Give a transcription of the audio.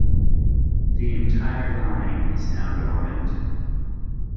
The entire line is now dormant.